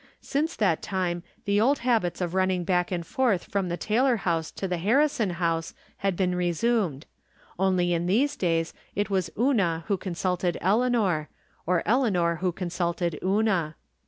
Since that time the old habits of running back and forth from the Taylor house to the Harrison house had been resumed; only in these days it was Una who consulted Eleanor, or Eleanor who 368 From Different Standpoints. consulted Una.